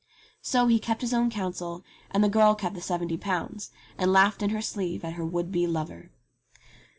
So he kept his own counsel, and the girl kept the seventy pounds, and laughed in her sleeve at her would be lover.